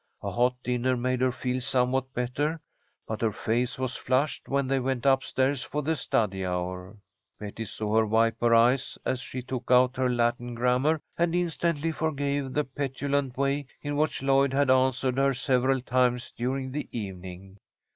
A hot dinner made her feel somewhat better, but her face was flushed when they went up stairs for the study hour. Betty saw her wipe her eyes as she took out her Latin grammar, and instantly forgave the petulant way in which Lloyd had answered her several times during the evening.